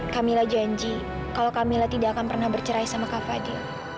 kamila janji kalau kamila tidak akan pernah bercerai sama kak fadhil